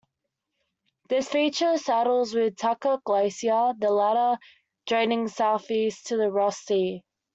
This feature saddles with Tucker Glacier, the latter draining southeast to the Ross Sea.